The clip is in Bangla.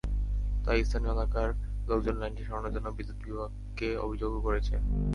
তাই স্থানীয় এলাকার লোকজন লাইনটি সরানো জন্য বিদ্যুৎ বিভাগকে অভিযোগও করেছে।